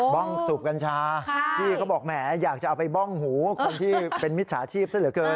้องสูบกัญชาพี่เขาบอกแหมอยากจะเอาไปบ้องหูคนที่เป็นมิจฉาชีพซะเหลือเกิน